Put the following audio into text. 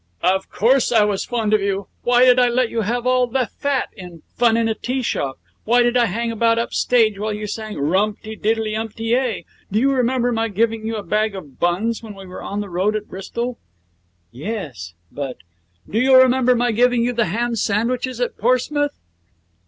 'Of course I was fond of you. Why did I let you have all the fat in "Fun in a Tea Shop"? Why did I hang about upstage while you sang "Rumpty tiddley umpty ay"? Do you remember my giving you a bag of buns when we were on the road at Bristol?' 'Yes, but ' 'Do you remember my giving you the ham sandwiches at Portsmouth?'